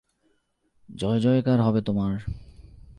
জয়জয়কার হবে তোমার।